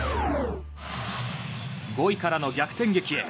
５位からの逆転劇へ。